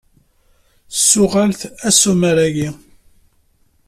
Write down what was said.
Ssuɣel-t asumer-agi.